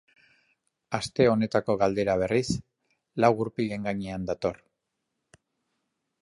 Aste honetako galdera, berriz, lau gurpilen gainean dator.